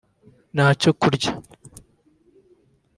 nta cyo kurya